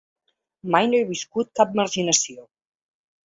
Mai no he viscut cap marginació.